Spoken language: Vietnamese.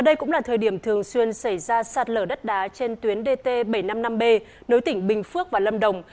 đây cũng là thời điểm thường xuyên xảy ra sạt lở đất đá trên tuyến dt bảy trăm năm mươi năm b nối tỉnh bình phước và lâm đồng